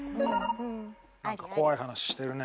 なんか怖い話してるね。